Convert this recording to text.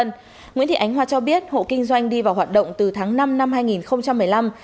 nguyễn thị ánh hoa cho biết hộ kinh doanh đi vào hoạt động từ tháng năm năm hai nghìn một mươi năm